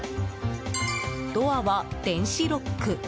ドアは電子ロック。